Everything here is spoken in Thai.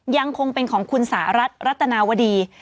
ยังคงเป็นของคุณสหรัฐรัตนาวดี